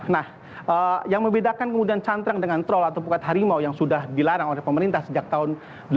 nah yang membedakan kemudian cantrang dengan troll atau pukat harimau yang sudah dilarang oleh pemerintah sejak tahun seribu delapan ratus